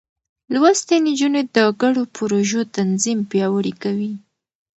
لوستې نجونې د ګډو پروژو تنظيم پياوړې کوي.